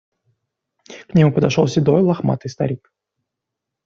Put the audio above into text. К нему подошел седой лохматый старик.